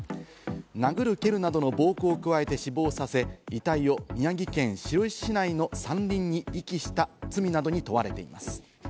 殴る蹴るなどの暴行を加えて死亡させ、遺体を宮城県白石市内の山林に遺棄した罪などに問われています。